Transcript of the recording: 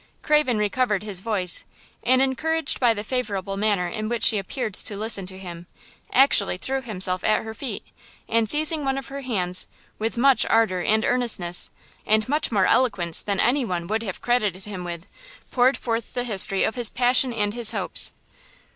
Craven recovered his voice, and encouraged by the favorable manner in which she appeared to listen to him, actually threw himself at her feet and, seizing one of her hands, with much ardor and earnestness and much more eloquence than any one would have credited him with, poured forth the history of his passion and his hopes.